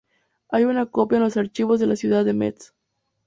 Hay una copia en los archivos de la ciudad de Metz.